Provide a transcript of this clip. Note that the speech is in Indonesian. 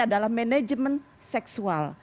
adalah manajemen seksual